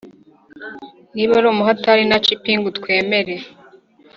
niba ari umuhatari nace ipingu twemere>>